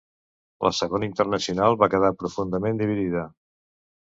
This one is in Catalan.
La Segona Internacional va quedar profundament dividida.